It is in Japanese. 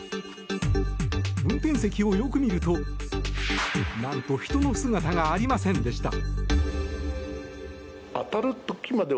運転席をよく見ると何と人の姿がありませんでした。